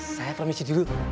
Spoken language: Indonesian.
saya permisi dulu